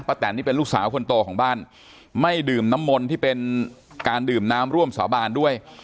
แตนนี่เป็นลูกสาวคนโตของบ้านไม่ดื่มน้ำมนต์ที่เป็นการดื่มน้ำร่วมสาบานด้วย